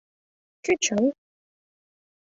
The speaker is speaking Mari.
— Кӧ чын?